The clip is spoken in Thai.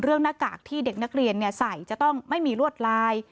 หน้ากากที่เด็กนักเรียนใส่จะต้องไม่มีลวดลาย